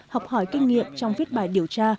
học hỏi kinh nghiệm trong viết bài điều tra